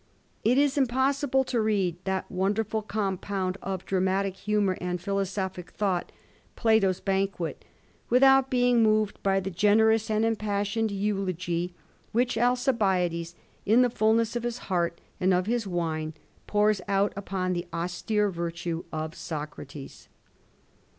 It is impossible to read that wonderM com pound of dramatic humour and philosophic thought, Plato's ^Banquet,' without being moved by the generous and impassioned eulogy which Alcibiades, in the fiilness of his heart and of his wine, pours out upon the austere virtue of Socrates.